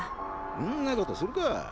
んなことするか。